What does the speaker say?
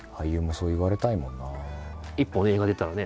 一本映画出たらね